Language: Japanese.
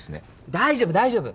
大丈夫大丈夫。